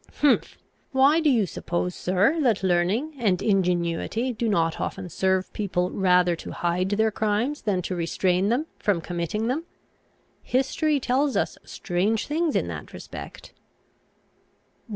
"Humph! why do you suppose, sir, that learning and ingenuity do not often serve people rather to hide their crimes than to restrain them from committing them? History tells us strange things in that respect."